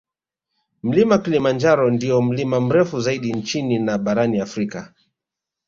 Mlima Kilimanjaro ndiyo mlima mrefu zaidi nchini na barani Afrika